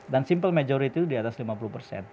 dan simple majority itu diatas lima puluh